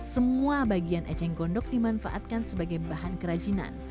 semua bagian ejeng kondok dimanfaatkan sebagai bahan kerajinan